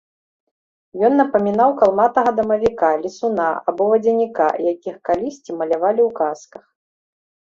Ён напамінаў калматага дамавіка, лесуна або вадзяніка, якіх калісьці малявалі ў казках.